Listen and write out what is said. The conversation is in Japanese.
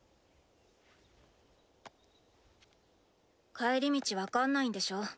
帰り道分かんないんでしょ？